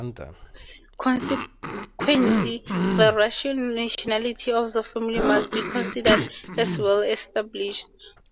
Consequently, the Russian nationality of the family must be considered as well established.